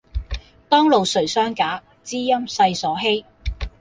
當路誰相假，知音世所稀。